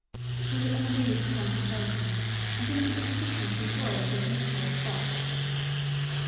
We were in a mood for contemplation and in a Disposition to enjoy so beautifull a spot.